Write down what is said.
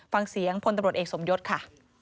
ฟังเสียงพลตำรวจเอกสมยศค่ะ